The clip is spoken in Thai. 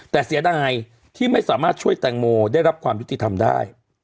แต่เสียดายที่ไม่สามารถช่วยแตงโมได้รับความยุติธรรมได้